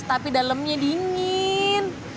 tapi dalamnya dingin